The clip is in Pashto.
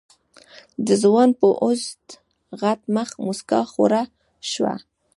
د ځوان په اوږد غټ مخ موسکا خوره شوه.